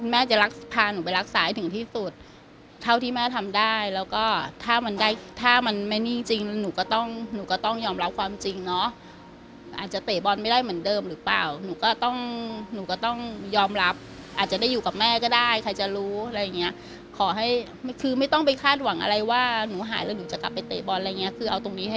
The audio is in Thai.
แม่จะรักพาหนูไปรักษาให้ถึงที่สุดเท่าที่แม่ทำได้แล้วก็ถ้ามันได้ถ้ามันไม่นิ่งจริงหนูก็ต้องหนูก็ต้องยอมรับความจริงเนาะอาจจะเตะบอลไม่ได้เหมือนเดิมหรือเปล่าหนูก็ต้องหนูก็ต้องยอมรับอาจจะได้อยู่กับแม่ก็ได้ใครจะรู้อะไรอย่างเงี้ยขอให้คือไม่ต้องไปคาดหวังอะไรว่าหนูหายแล้วหนูจะกลับไปเตะบอลอะไรอย่างเงี้คือเอาตรงนี้ให้